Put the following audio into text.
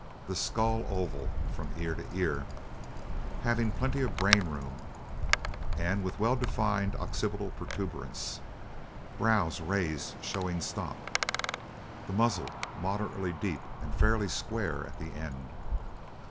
The skull oval (from ear to ear), having plenty of brain room, and with well defined occipital protuberance. Brows raised, showing stop. The muzzle moderately deep and fairly square at the end.